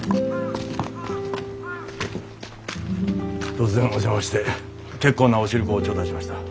突然お邪魔して結構なお汁粉を頂戴しました。